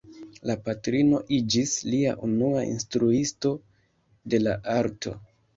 La patrino iĝis lia unua instruisto de la arto.